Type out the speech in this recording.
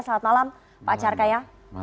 selamat malam pak carkaya